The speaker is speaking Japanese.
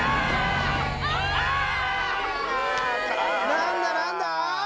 何だ何だ！？